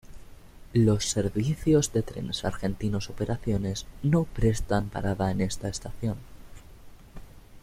Los servicios de Trenes Argentinos Operaciones no prestan parada en esta estación.